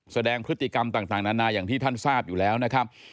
แสดงพฤติกรรมต่างนานาอย่างที่ท่านทราบอยู่แล้วนะครับ